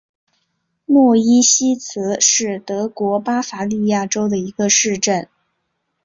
诺伊西茨是德国巴伐利亚州的一个市镇。